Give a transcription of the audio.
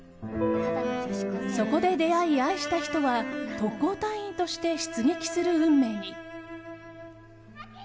そこで出会い、愛した人は特攻隊員として出撃する運命に。